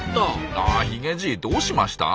あヒゲじいどうしました？